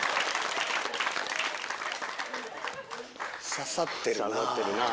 刺さってるなぁ。